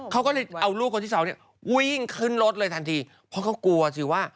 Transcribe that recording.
เขาก็เลยเอาลูกคนที่สองเนี่ยวิ่งขึ้นรถเลยทันทีเพราะเขากลัวสิว่า